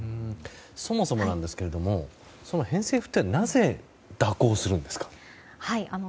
そもそも、偏西風ってなぜ蛇行するんですか？